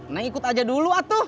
neng ikut aja dulu atu